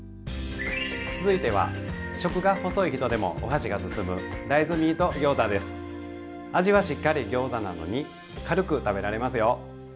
続いては食が細い人でもお箸が進む味はしっかりギョーザなのに軽く食べられますよ。